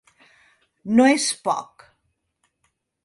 No és poc.